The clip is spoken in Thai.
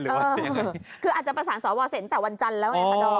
คืออาจจะประสานสวเสร็จแต่วันจันทร์แล้ว